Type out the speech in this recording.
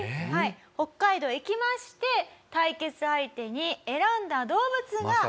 はい北海道へ行きまして対決相手に選んだ動物が。